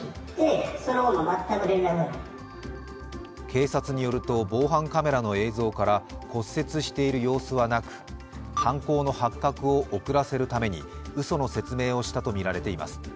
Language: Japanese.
警察によると、防犯カメラの映像から骨折している様子はなく犯行の発覚を遅らせるために嘘の説明をしたとみられています。